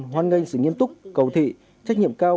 hoan nghênh sự nghiêm túc cầu thị trách nhiệm cao